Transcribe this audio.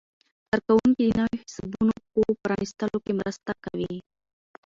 کارکوونکي د نویو حسابونو په پرانیستلو کې مرسته کوي.